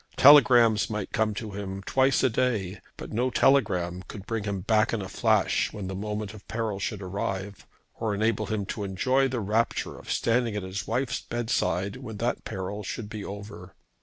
Telegrams might come to him twice a day, but no telegram could bring him back in a flash when the moment of peril should arrive, or enable him to enjoy the rapture of standing at his wife's bedside when that peril should be over.